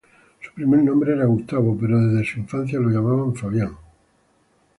Su primer nombre era Gustavo pero desde su infancia lo llamaban Fabián.